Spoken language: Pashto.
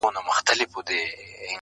گوره په ما باندي ده څومره خپه.